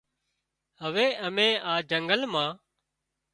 هوي امين آ جنگل مان